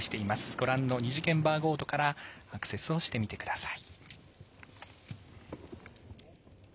ご覧の２次元バーコードからアクセスしてみてください。